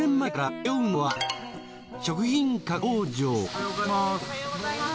おはようございます。